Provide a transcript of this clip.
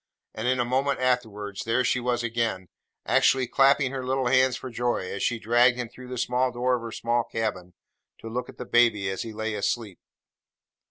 and in a moment afterwards, there she was again, actually clapping her little hands for joy, as she dragged him through the small door of her small cabin, to look at the baby as he lay asleep!